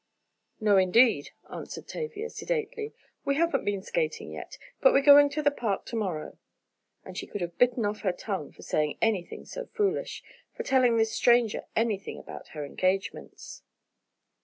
"No, indeed," answered Tavia sedately, "we haven't been skating yet, but we're going to the Park to morrow." Then she could have bitten off her tongue for saying anything so foolish—for telling this stranger anything about her engagements.